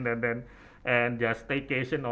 dan berwawancara di sana